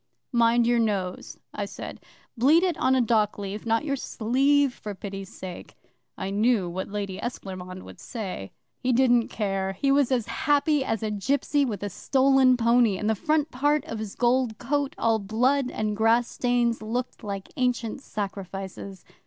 '"Mind your nose," I said. "Bleed it on a dockleaf not your sleeve, for pity's sake." I knew what the Lady Esclairmonde would say. 'He didn't care. He was as happy as a gipsy with a stolen pony, and the front part of his gold coat, all blood and grass stains, looked like ancient sacrifices.